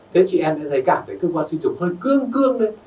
thế chị em sẽ cảm thấy cơ quan sinh dục hơi cương cương lên